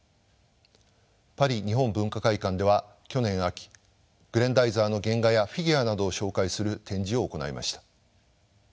パリ日本文化会館では去年秋「グレンダイザー」の原画やフィギュアなどを紹介する展示を行いました。